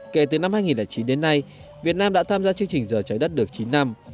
kể từ năm hai nghìn chín đến nay việt nam đã tham gia chương trình giờ trái đất được chín năm